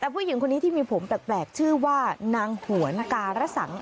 แต่ผู้หญิงคนนี้ที่มีผมแปลกชื่อว่านางหวนการสัง